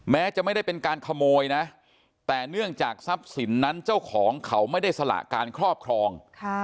แม้จะไม่ได้เป็นการขโมยนะแต่เนื่องจากทรัพย์สินนั้นเจ้าของเขาไม่ได้สละการครอบครอง